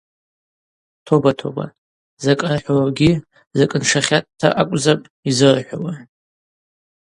Тоба-тоба, закӏ ъархӏвауагьи закӏ ншахьатӏта акӏвзапӏ йзырхӏвауа.